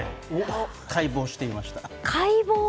待望していました。